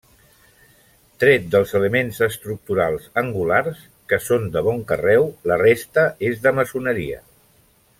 Tret dels elements estructurals angulars, que són de bon carreu, la resta és de maçoneria.